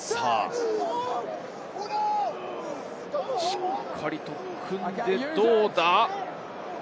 しっかりと組んで、どうだ？